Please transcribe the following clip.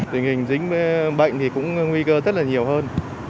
tình hình dính bệnh thì cũng nguy cơ rất là nhiều hơn